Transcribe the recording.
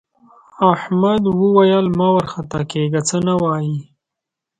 احمد وویل مه وارخطا کېږه څه نه وايي.